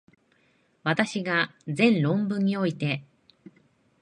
私が前論文において、